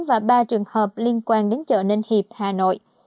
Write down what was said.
và ba trường hợp liên quan đến chợ ninh hiệp hà nội